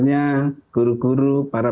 nya guru guru para